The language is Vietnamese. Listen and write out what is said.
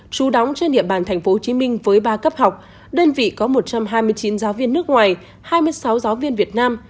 trú đóng trên địa bàn tp hcm với ba cấp học đơn vị có một trăm hai mươi chín giáo viên nước ngoài hai mươi sáu giáo viên việt nam